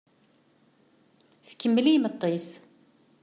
Tkemmel i yimeṭṭi-s.